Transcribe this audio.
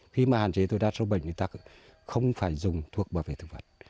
khi mà hạn chế tối đa sâu bệnh thì ta cũng không phải dùng thuốc bảo vệ thực vật